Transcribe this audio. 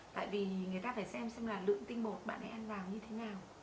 tại vì người ta phải xem xem là lượng tinh bột bạn ấy ăn vào như thế nào